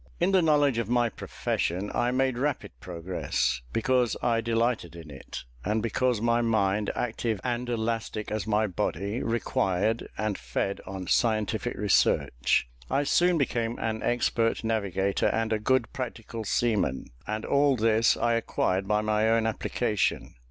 In the knowledge of my profession I made rapid progress, because I delighted in it, and because my mind, active and elastic as my body, required and fed on scientific research. I soon became an expert navigator and a good practical seaman, and all this I acquired by my own application.